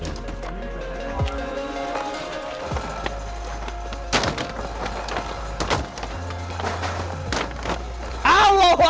dan kemudian dikumpulkan ke dalam kentang